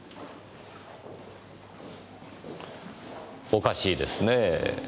おかしいですねぇ。